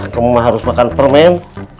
kamu harus makan permen